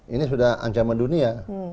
ini sudah ancaman dunia